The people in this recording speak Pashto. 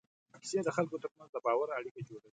کیسې د خلکو تر منځ د باور اړیکه جوړوي.